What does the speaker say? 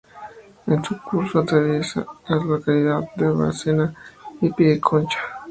En su curso atraviesa la localidad de Bárcena de Pie de Concha.